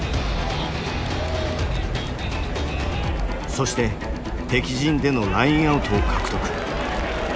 そして敵陣でのラインアウトを獲得。